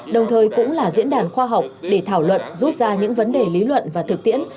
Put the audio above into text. đồng thời cũng là diễn đàn khoa học để thảo luận rút ra những vấn đề lý luận và thực tiễn